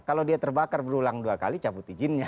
kalau dia terbakar berulang dua kali cabut izinnya